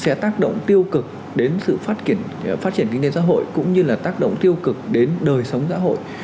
sẽ tác động tiêu cực đến sự phát triển kinh tế xã hội cũng như là tác động tiêu cực đến đời sống xã hội